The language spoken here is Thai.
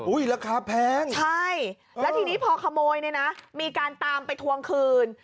ราคาแพงใช่แล้วทีนี้พอขโมยเนี่ยนะมีการตามไปทวงคืน